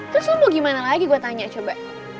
terus lo mau gimana lagi gue tanya coba